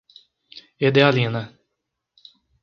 Edealina